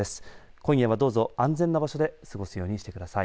今夜はどうぞ安全な場所で過ごすようにしてください。